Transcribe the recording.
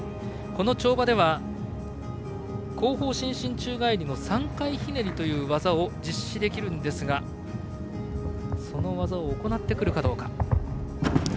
この跳馬では後方伸身宙返りの３回ひねりという技を実施できるんですがその技を行うかどうか。